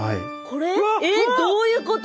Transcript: これ。